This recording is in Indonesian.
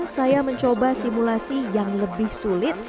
saya mencoba simulasi yang lebih sulit